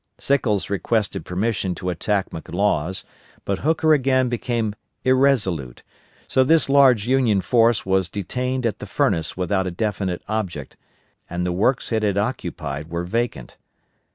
Sickles requested permission to attack McLaws, but Hooker again became irresolute; so this large Union force was detained at the Furnace without a definite object, and the works it had occupied were vacant.